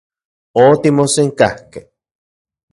Otimosenkajkej.